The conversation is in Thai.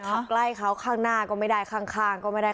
ใกล้เขาข้างหน้าก็ไม่ได้ข้างก็ไม่ได้